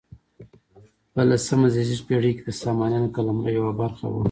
په لسمه زېږدیزې پیړۍ کې د سامانیانو قلمرو یوه برخه وه.